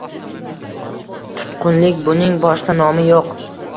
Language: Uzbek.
Tutqunlik. Buning boshqa nomi yo‘q